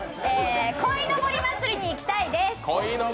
鯉のぼり祭りに行きたいです。